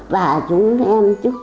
và chúng em chúc